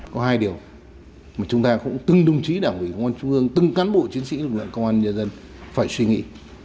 có hai điều mà chúng ta cũng từng đồng chí đảng ủy công an trung ương từng cán bộ chiến sĩ lực lượng công an nhân dân phải suy nghĩ